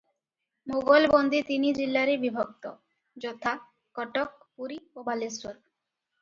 ମୋଗଲବନ୍ଦୀ ତିନି ଜିଲ୍ଲାରେ ବିଭକ୍ତ, ଯଥା:-କଟକ, ପୁରୀ ଓ ବାଲେଶ୍ୱର ।